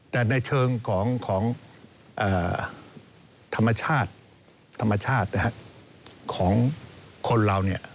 แต่ในเชิงของธรรมชาติของคนเรา